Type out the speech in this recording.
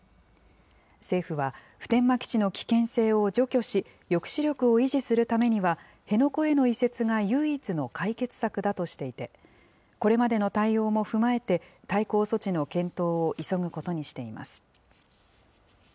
政府は、普天間基地の危険性を除去し、抑止力を維持するためには、辺野古への移設が唯一の解決策だとしていて、これまでの対応も踏まえて、対抗措置の検討を急ぐことにしています。